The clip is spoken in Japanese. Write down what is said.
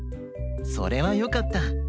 それはよかった。